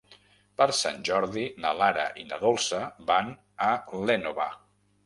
Per Sant Jordi na Lara i na Dolça van a l'Énova.